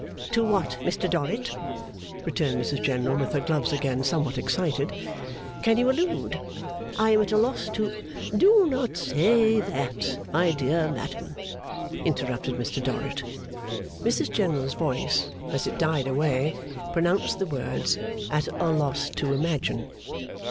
'To what, Mr Dorrit,' returned Mrs General, with her gloves again somewhat excited, 'can you allude? I am at a loss to ' 'Do not say that, my dear madam,' interrupted Mr Dorrit. Mrs General's voice, as it died away, pronounced the words, 'at a loss to imagine.